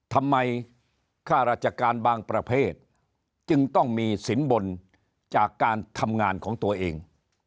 ค่าราชการบางประเภทจึงต้องมีสินบนจากการทำงานของตัวเอง